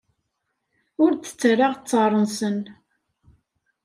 Ur d-ttarraɣ ttaṛ-nsen.